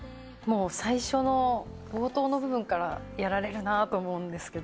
最初の冒頭の部分からやられるなと思うんですが。